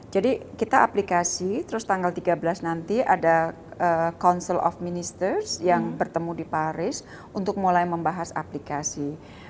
jadi kita aplikasi terus tanggal tiga belas nanti ada council of ministers yang bertemu di paris untuk mulai membahas aplikasi